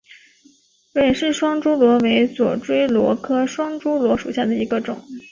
芮氏双珠螺为左锥螺科双珠螺属下的一个种。